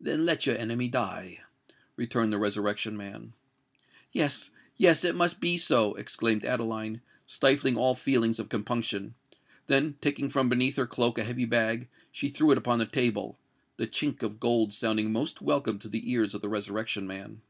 "Then let your enemy die," returned the Resurrection Man. "Yes—yes: it must be so!" exclaimed Adeline, stifling all feelings of compunction: then taking from beneath her cloak a heavy bag, she threw it upon the table, the chink of gold sounding most welcome to the ears of the Resurrection Man.